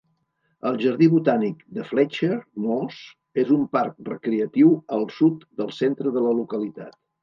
El jardí botànic de Fletcher Moss és un parc recreatiu al sud del centre de la localitat.